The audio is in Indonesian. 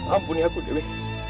ampuni aku dewi